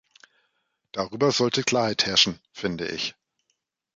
Darüber sollte Klarheit herrschen, finde ich.